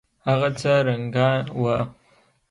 هغه څه رنګه وه.